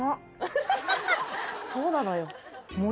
そうなのよ。